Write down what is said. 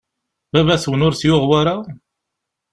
Baba-twen ur t-yuɣ wara?